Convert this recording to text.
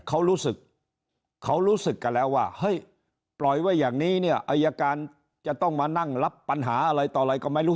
เขารู้สึกกันแล้วว่าเฮ้ยปล่อยไว้อย่างนี้อายการจะต้องมานั่งรับปัญหาอะไรต่อไหนก็ไม่รู้